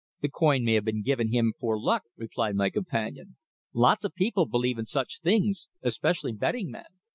The coin may have been given him for luck," replied my companion. "Lots of people believe in such things, especially betting men."